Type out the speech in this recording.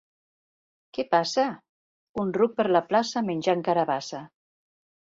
Què passa: / —Un ruc per la plaça menjant carabassa!